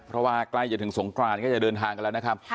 เพราะว่าใกล้จะถึงสงกรานก็จะเดินทางกันแล้วนะครับ